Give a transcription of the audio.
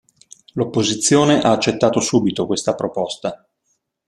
L'opposizione ha accettato subito questa proposta.